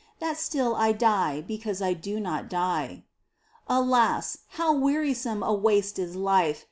That still I die because I do not die. Alas ! how wearisome a waste is life